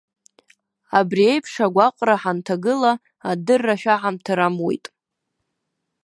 Абри аиԥш агәаҟра ҳанҭагыла, адырра шәаҳамҭар амуит.